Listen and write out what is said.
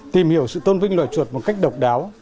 tìm hiểu sự tôn vinh loài chuột một cách độc đáo